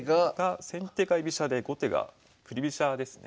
先手が居飛車で後手が振り飛車ですね。